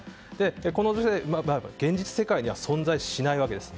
この女性は現実世界には存在しないわけなんです。